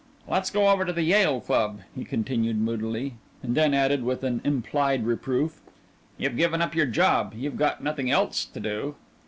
"Let's go over to the Yale Club," he continued moodily, and then added with an implied reproof: "You've given up your job. You've got nothing else to do."